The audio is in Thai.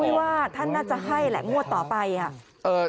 ว่าท่านน่าจะให้แหละงวดต่อไปอ่ะ